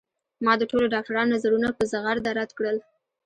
ما د ټولو ډاکترانو نظرونه په زغرده رد کړل